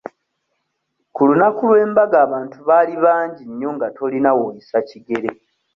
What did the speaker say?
Ku lunaku lw'embaga abantu baali bangi nnyo nga tolina w'oyisa kigere.